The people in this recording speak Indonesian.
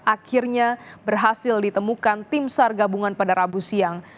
akhirnya berhasil ditemukan tim sar gabungan pada rabu siang